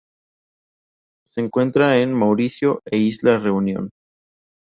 Se encuentra en Mauricio e Isla Reunión.